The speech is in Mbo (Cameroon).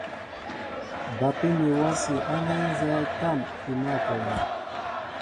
Bapí mi wási ánɛ nzɛ́ɛ́ tâm i mǎl a kwɛni.